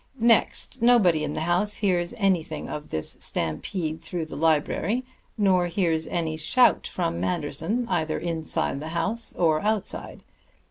Next: nobody in the house hears anything of this stampede through the library, nor hears any shout from Manderson either inside the house or outside.